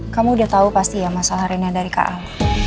kamu udah tau pasti ya masalah rennya dari kak al